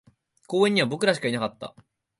公園には僕らしかいなかった